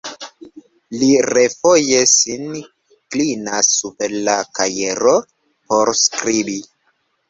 Li refoje sin klinas super la kajero por skribi.